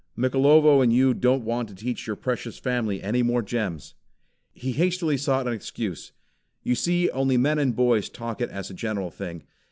Mikelovo and you don't want to teach your precious family any more gems." He hastily sought an excuse. "You see only men and boys talk it as a general thing.